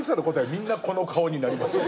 みんなこの顔になりますね。